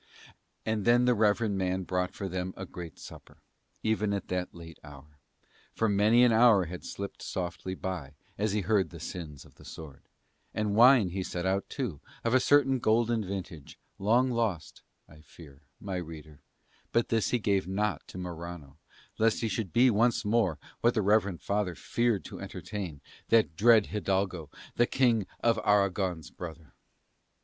And then the reverend man brought for them a great supper, even at that late hour, for many an hour had slipped softly by as he heard the sins of the sword; and wine he set out, too, of a certain golden vintage, long lost I fear my reader: but this he gave not to Morano lest he should be once more, what the reverend father feared to entertain, that dread hidalgo, the King of Aragon's brother.